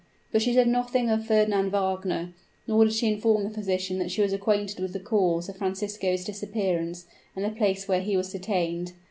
But she said nothing of Fernand Wagner: nor did she inform the physician that she was acquainted with the cause of Francisco's disappearance and the place where he was detained.